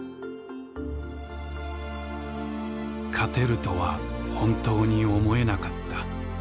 「勝てるとは本当に思えなかった。